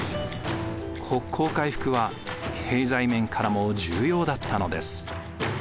国交回復は経済面からも重要だったのです。